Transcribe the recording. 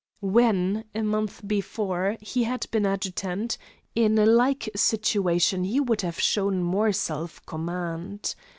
When, a month before, he had been adjutant, in a like situation he would have shown more self command.